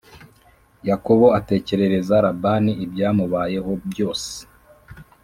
Yakobo atekerereza Labani ibyamubayeho byose